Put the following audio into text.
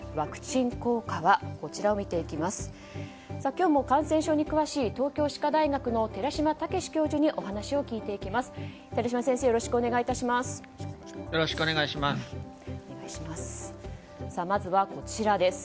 今日も感染症に詳しい東京歯科大学の寺嶋毅教授にお話を聞いていきます。